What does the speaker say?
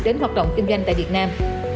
đến hoạt động kinh doanh tại việt nam